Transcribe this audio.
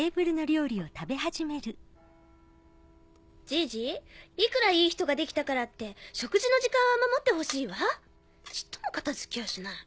ジジいくらいい人ができたからって食事の時間は守ってほしいわちっとも片付きやしない。